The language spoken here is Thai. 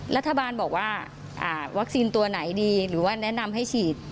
รัฐบาลบอกว่าวัคซีนตัวไหนดีหรือว่าแนะนำให้ฉีด